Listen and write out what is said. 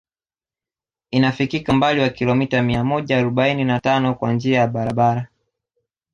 Inafikika umbali wa kilomita mia moja arobaini na tano kwa njia ya barabara